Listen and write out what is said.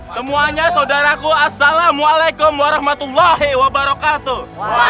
semuanya saudaraku assalamualaikum warahmatullahi wabarakatuh